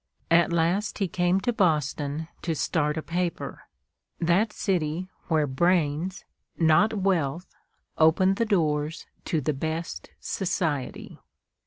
At last he came to Boston to start a paper, that city where brains and not wealth open the doors to the best society.